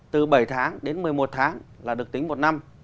từ bảy tháng đến một mươi một tháng là được tính một năm